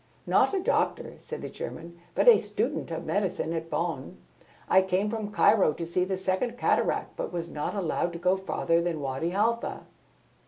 "Not a doctor," said the German, "but a student of medicine at Bonn. I came from Cairo to see the Second Cataract, but was not allowed to go farther than Wadi Halfa."